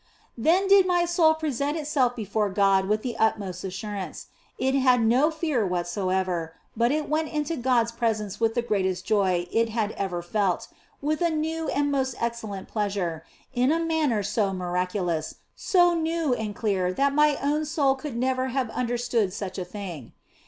Then did my soul present itself before God with the utmost assurance ; it had no fear whatsoever, but it went into God s presence with the greatest joy it had ever felt, with a new and most excellent pleasure, in a manner so miraculous, so new and clear that my own soul could never have understood such a thing.